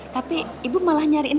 tapi ibu malah nyariin